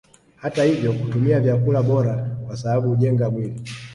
Hata ivyo kutumia vyakula bora kwasababu ujenga mwili